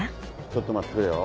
ちょっと待ってくれよ。